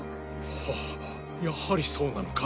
あっやはりそうなのか。